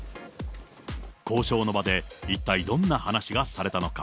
交渉の場で一体どんな話がされたのか。